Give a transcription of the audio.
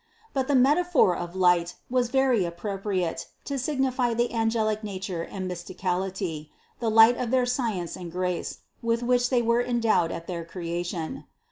But the metaphor of light was very appropriate to signify the angelic nature and mystically, the light of their science and grace, with which they were endowed at their creation.